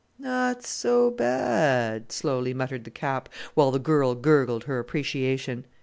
"Not so bad!" slowly muttered the Cap, while the girl gurgled her appreciation.